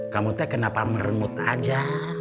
kamu kenapa meremut aja